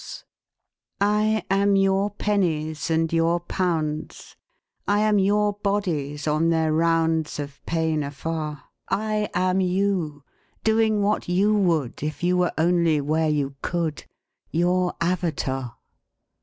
188 AUXILIARIES I am your pennies and your pounds; I am your bodies on their rounds Of pain afar; I am you, doing what you would If you were only where you could —■ Your avatar.